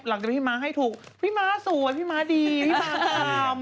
หลังจากพี่มาให้ถูกพี่มาสวยพี่มาดีพี่มาความ